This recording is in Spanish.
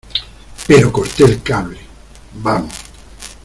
pero corte el cable, ¡ vamos!